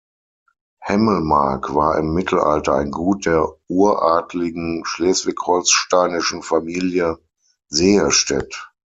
Hemmelmark war im Mittelalter ein Gut der uradligen schleswig-holsteinischen Familie Sehestedt.